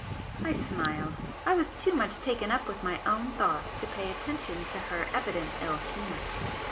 I smiled. I was too much taken up with my own thoughts to pay attention to her evident ill humour.